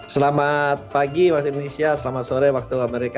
selamat pagi waktu indonesia selamat sore waktu amerika